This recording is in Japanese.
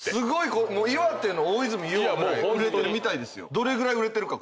どれぐらい売れてるか。